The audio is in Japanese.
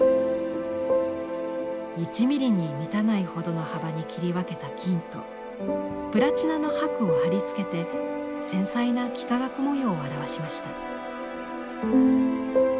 １ミリに満たないほどの幅に切り分けた金とプラチナの箔を貼り付けて繊細な幾何学模様を表しました。